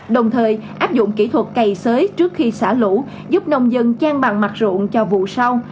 đồng thời áp dụng kỹ thuật cày sới trước khi xả lũ giúp nông dân trang bằng mặt ruộng cho vụ sau